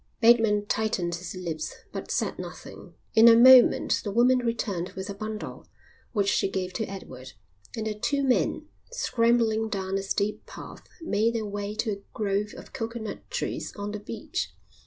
Bateman tightened his lips, but said nothing. In a moment the woman returned with a bundle, which she gave to Edward; and the two men, scrambling down a steep path, made their way to a grove of coconut trees on the beach.